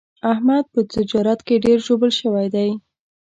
احمد په تجارت کې ډېر ژوبل شوی دی.